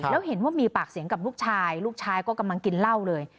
แล้วเห็นว่ามีปากเสียงกับลูกชายลูกชายก็กำลังกินเหล้าเลย